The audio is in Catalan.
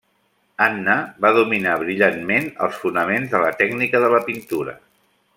Anna va dominar brillantment els fonaments de la tècnica de la pintura.